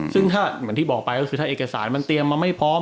ซึ่งถ้าเอกสารมันเตรียมมาไม่พร้อม